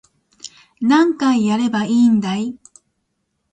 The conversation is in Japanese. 何回やればいいんだい